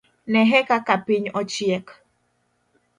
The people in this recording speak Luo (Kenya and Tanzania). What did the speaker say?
Nehe kaka piny ochiek.